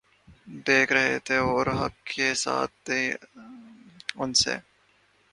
دیکھ رہے تھے اور حق کے ساتھ تھے ان سے